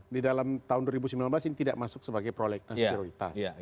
di dalam tahun dua ribu sembilan belas ini tidak masuk sebagai prolegnas prioritas